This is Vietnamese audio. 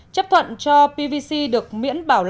chấp thuận cho pvc được miễn bảo đảm